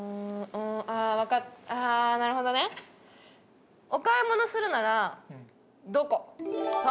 うんああ分かっああなるほどねお買い物するならどこ？